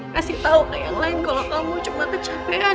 kasih tau ke yang lain kalo kamu cuman kecapean